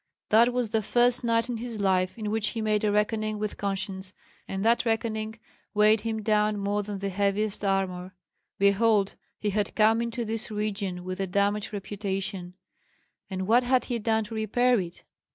That was the first night in his life in which he made a reckoning with conscience, and that reckoning weighed him down more than the heaviest armor. Behold, he had come into this region with a damaged reputation, and what had he done to repair it?